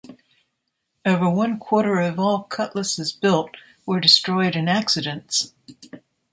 Over one quarter of all Cutlasses built were destroyed in accidents.